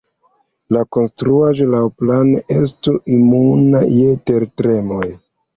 La konstruaĵo laŭplane estu imuna je tertremoj.